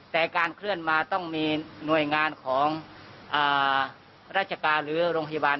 แต่การเคลื่อนมาต้องมีหน่วยงานของราชการหรือโรงพยาบาล